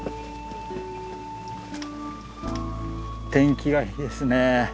天気がいいですね。